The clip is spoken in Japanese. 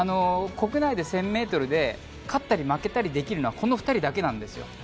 国内で１０００ｍで勝ったり負けたりできるのはこの２人だけなんですよ。